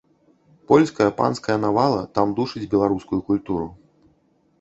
Польская панская навала там душыць беларускую культуру.